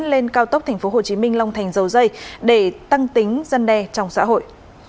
lên cao tốc tp hồ chí minh long thành dầu dây để tăng tính dân đe trong xã hội